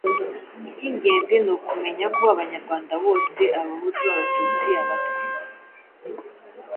Icy'ingenzi ni ukumenya ko Abanyarwanda bose Abahutu, Abatutsi, Abatwa